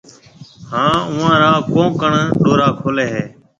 ھان اوئون را ڪونڪڻ ڏورا کوليَ ھيََََ